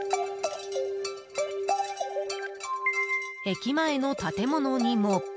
駅前の建物にも。